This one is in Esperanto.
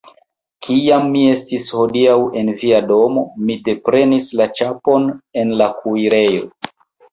Kiam mi estis hodiaŭ en via domo, mi deprenis la ĉapon en la kuirejo.